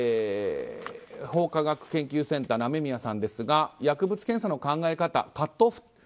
法科学研究センターの雨宮さんですが薬物検査の考え方はカットオフ。